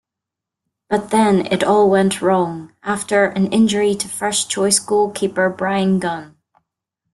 But then it all went wrong, after an injury to first-choice goalkeeper Bryan Gunn.